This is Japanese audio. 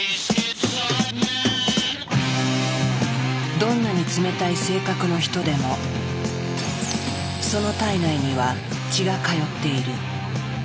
どんなに冷たい性格の人でもその体内には「血」が通っている。